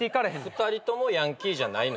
２人ともヤンキーじゃないの？